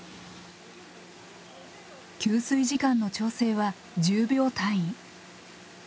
吸水時間の調整は１０秒単位。